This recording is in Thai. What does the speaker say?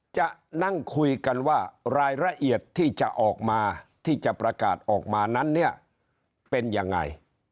จะนั่งคุยกันว่ารายละเอียดที่จะออกมาที่จะประกาศออกมานั้นเนี่ยเป็นยังไง